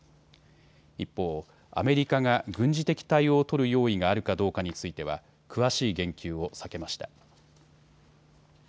一方、アメリカが軍事的対応を取る用意があるかどうかについては詳しい言及を避けました。